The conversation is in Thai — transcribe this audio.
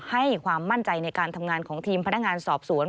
ให้ความมั่นใจในการทำงานของทีมพนักงานสอบสวน